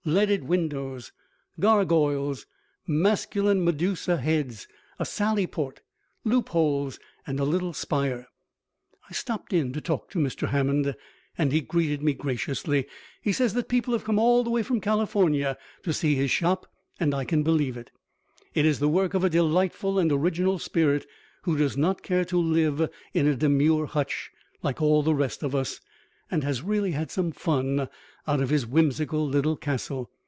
Leaded windows, gargoyles, masculine medusa heads, a sallyport, loopholes and a little spire. I stopped in to talk to Mr. Hammond, and he greeted me graciously. He says that people have come all the way from California to see his shop, and I can believe it. It is the work of a delightful and original spirit who does not care to live in a demure hutch like all the rest of us, and has really had some fun out of his whimsical little castle.